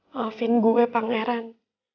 maafin gue pangeran